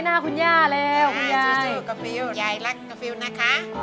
ชู้ชู้กับฟิวท์ยายรักกับฟิวท์นะคะ